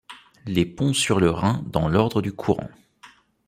Les ponts sur le Rhin dans l'ordre du courant.